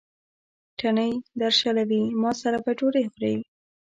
تڼۍ درشلوي: ما سره به ډوډۍ خورې.